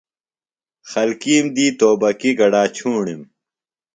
خلکیم دی توبکی گڈا چھوݨِم۔